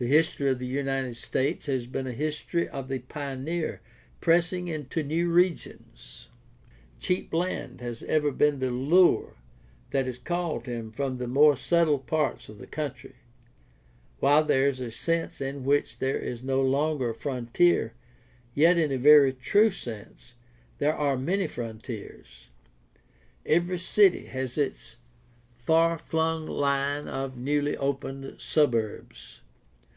The history of the 628 GUIDE TO STUDY OF CHRISTIAN RELIGION United States has been a history of the pioneer pressing into new regions. Cheap land has ever been the lure that has called him from the more settled parts of the country. While there is a sense in which there is no longer a frontier, yet in a very true sense there are many frontiers. Every city has its far flung line of newly opened suburbs.